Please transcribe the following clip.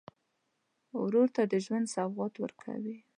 ورور ته د ژوند سوغات ورکوې.